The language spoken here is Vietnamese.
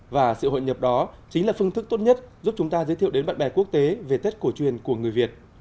và sự hội nhập đó chính là phương thức tốt nhất giúp chúng ta giới thiệu đến bạn bè quốc tế về tết cổ truyền của người việt